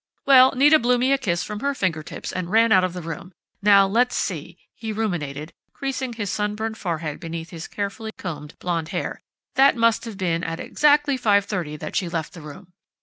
"Well, Nita blew me a kiss from her fingertips, and ran out of the room.... Now, let's see," he ruminated, creasing his sunburned forehead beneath his carefully combed blond hair, "that must have been at exactly 5:30 that she left the room.